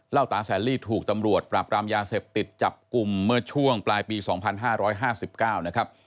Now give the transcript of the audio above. ตาแสนลี่ถูกตำรวจปราบรามยาเสพติดจับกลุ่มเมื่อช่วงปลายปี๒๕๕๙นะครับ